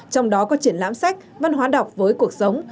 trong đó có triển lãm sách văn hóa đọc với cuộc sống